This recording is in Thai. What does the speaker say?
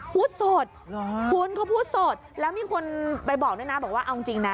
พูดสดพูดเขาพูดสดแล้วมีคนไปบอกด้วยนะบอกว่าเอาจริงนะ